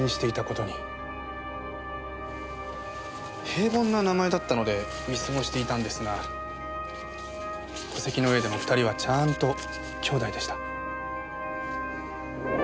平凡な名前だったので見過ごしていたんですが戸籍の上でも２人はちゃんと姉弟でした。